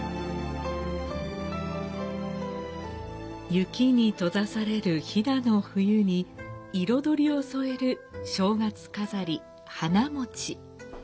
雪に閉ざされる飛騨の冬に彩りを添える正月飾り、花餅。